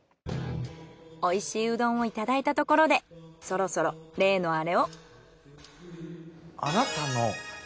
おいしいうどんをいただいたところでそろそろ例のアレを。